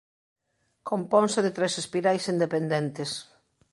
Componse de tres espirais independentes.